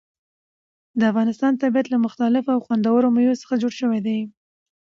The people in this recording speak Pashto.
د افغانستان طبیعت له مختلفو او خوندورو مېوو څخه جوړ شوی دی.